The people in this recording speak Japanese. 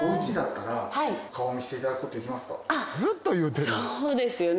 あっそうですよね。